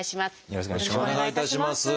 よろしくお願いします。